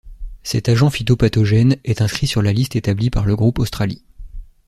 Cet agent phytopathogène est inscrit sur la liste établie par le groupe Australie.